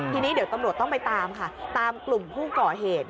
ทีนี้เดี๋ยวตำรวจต้องไปตามค่ะตามกลุ่มผู้ก่อเหตุ